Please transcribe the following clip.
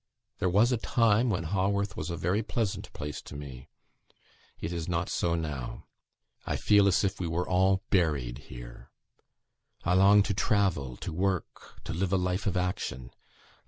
There was a time when Haworth was a very pleasant place to me; it is not so now. I feel as if we were all buried here. I long to travel; to work; to live a life of action.